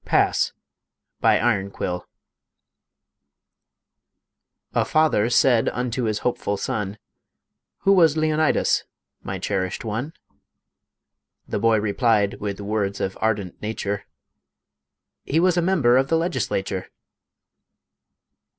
PASS BY IRONQUILL A father said unto his hopeful son, "Who was Leonidas, my cherished one?" The boy replied, with words of ardent nature, "He was a member of the legislature."